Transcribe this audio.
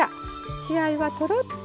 血合いは、とろっと。